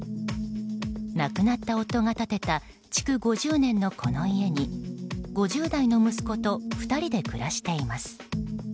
亡くなった夫が建てた築５０年のこの家に５０代の息子と２人で暮らしています。